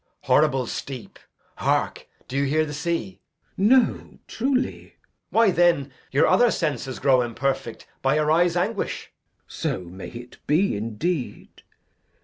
Edg. Horrible steep. Hark, do you hear the sea? Glou. No, truly. Edg. Why, then, your other senses grow imperfect By your eyes' anguish. Glou. So may it be indeed.